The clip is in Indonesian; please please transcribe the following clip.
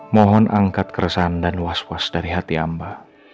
mohon angkat keresahan dan was was dari hati hamba